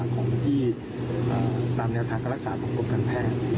ของที่ตามแนวทางการรักษาของกรมการแพทย์